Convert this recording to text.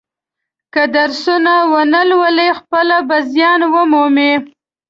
که درسونه و نه لولي خپله به زیان و مومي.